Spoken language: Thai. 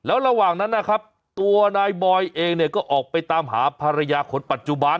ระหว่างนั้นนะครับตัวนายบอยเองเนี่ยก็ออกไปตามหาภรรยาคนปัจจุบัน